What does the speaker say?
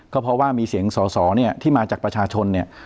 ก็เพราะว่ามีเสียงสอสอเนี่ยที่มาจากประชาชนเนี่ย